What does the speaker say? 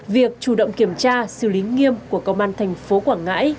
việc chủ động kiểm tra xử lý nghiêm của công an thành phố quảng ngãi